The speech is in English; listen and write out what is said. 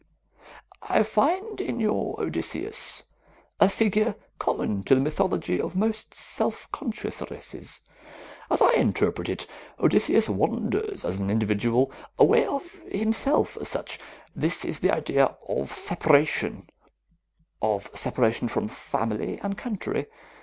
"I find in your Odysseus a figure common to the mythology of most self conscious races. As I interpret it, Odysseus wanders as an individual, aware of himself as such. This is the idea of separation, of separation from family and country.